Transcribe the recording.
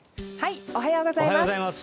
おはようございます。